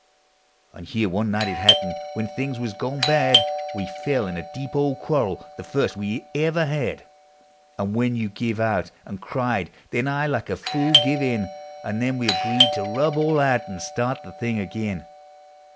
And here one night it happened, when things was goin' bad. We fell in a deep old quarrel— the tirst we ever had; And when you give out and cried, then I, like a fool, give in, And then we agreed to rub all out, and start the thing ag'in.